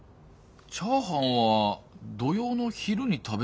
チャーハンは土曜の昼に食べるもんだよな？